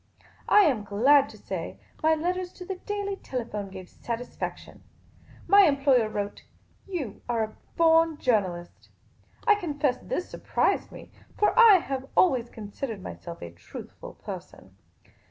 I am glad to say, my letters to the Daily Telephone gave satisfaction. My employer wrote, " You are a born journalist." I confess this surprised me ; for I have always considered myself a truthful person.